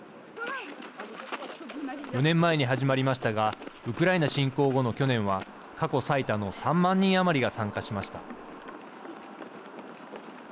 ４年前に始まりましたがウクライナ侵攻後の去年は過去最多の３万人余りが参加しました。